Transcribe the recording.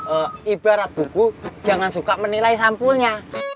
eh ibarat buku jangan suka menilai sampulnya